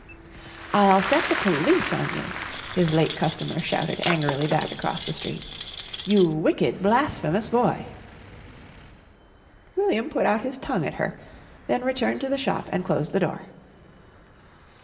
"I'll set the police on you," his late customer shouted angrily back across the street. "You wicked, blasphemous boy!" William put out his tongue at her, then returned to the shop and closed the door.